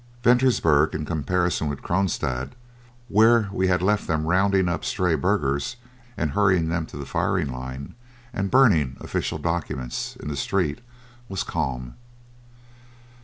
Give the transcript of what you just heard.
Ventersburg, in comparison with Kroonstad, where we had left them rounding up stray burghers and hurrying them to the firing line, and burning official documents in the streets, was calm.